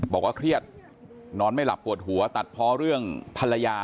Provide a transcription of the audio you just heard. บอกว่าเครียดนอนไม่หลับปวดหัวตัดเพราะเรื่องภรรยา